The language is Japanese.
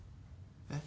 えっ？